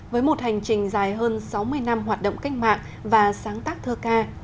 với một hành trình dài hơn sáu mươi năm hoạt động cách mạng và sáng tác thơ ca